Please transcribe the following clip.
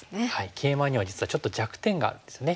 ケイマには実はちょっと弱点があるんですね。